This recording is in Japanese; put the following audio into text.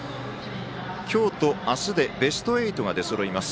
今日と、明日でベスト８が出そろいます。